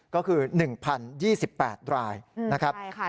ก็คือ๑๐๒๘รายนะครับ